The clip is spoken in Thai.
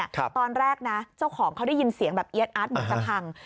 ตอนแรกเจ้าของเขาได้ยินเสียงแบบเอี๊ยดอัสบุตรกระพัง